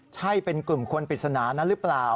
ใช่เป็นกลุ่มคนปริศนานั้นหรือเปล่า